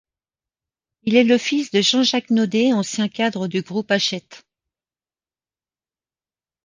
Il est le fils de Jean-Jacques Naudet, ancien cadre du groupe Hachette.